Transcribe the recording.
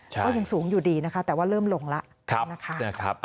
ก็ยังสูงอยู่ดีนะคะแต่ว่าเริ่มลงแล้วนะคะ